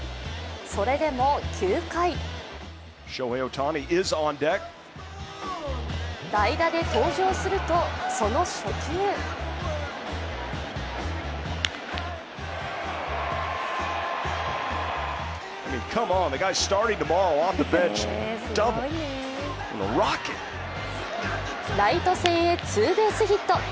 それでも９回代打で登場するとその初球ライト線へツーベースヒット。